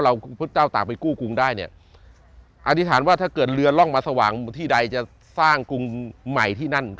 พระพุทธเจ้าต่างไปกู้กรุงได้เนี่ยอธิษฐานว่าถ้าเกิดเรือร่องมาสว่างที่ใดจะสร้างกรุงใหม่ที่นั่น